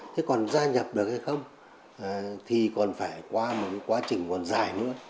thế còn gia nhập được hay không thì còn phải qua một quá trình còn dài nữa